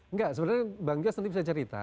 enggak sebenarnya bang gias nanti bisa cerita